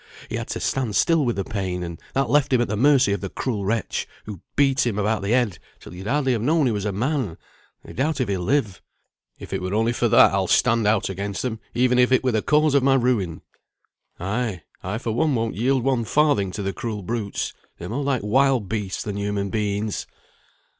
He had to stand still with the pain, and that left him at the mercy of the cruel wretch, who beat him about the head till you'd hardly have known he was a man. They doubt if he'll live." "If it were only for that, I'll stand out against them, even if it were the cause of my ruin." "Ay, I for one won't yield one farthing to the cruel brutes; they're more like wild beasts than human beings."